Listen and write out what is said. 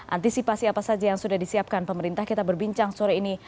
antisipasi apa saja yang sudah disiapkan pemerintah kita berbincang sore ini